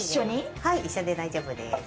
はい一緒で大丈夫です。